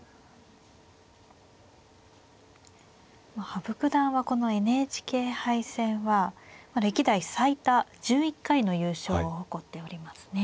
羽生九段はこのＮＨＫ杯戦は歴代最多１１回の優勝を誇っておりますね。